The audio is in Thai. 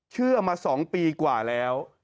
เชื่อมา๒ปีกว่าแล้ว